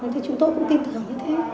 thế chúng tôi cũng tin tưởng như thế